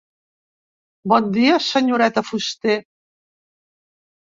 Bon dia, senyoreta Fuster.